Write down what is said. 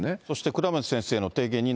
そして倉持先生の提言